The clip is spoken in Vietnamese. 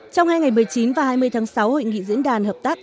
trong hai ngày một mươi chín và hai mươi tháng sáu hội nghị diễn đàn hợp tác